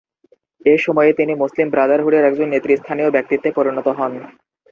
এ সময়ে তিনি মুসলিম ব্রাদারহুডের একজন নেতৃস্থানীয় ব্যক্তিত্বে পরিণত হন।